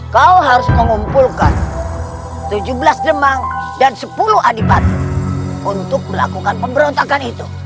kau harus mengumpulkan tujuh belas demang dan sepuluh adipati untuk melakukan pemberontakan itu